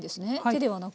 手ではなく。